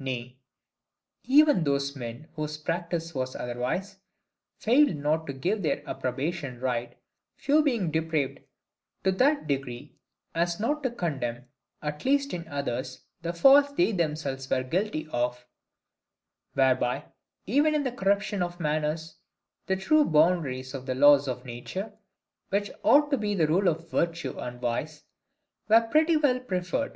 Nay, even those men whose practice was otherwise, failed not to give their approbation right, few being depraved to that degree as not to condemn, at least in others, the faults they themselves were guilty of; whereby, even in the corruption of manners, the true boundaries of the law of nature, which ought to be the rule of virtue and vice, were pretty well preferred.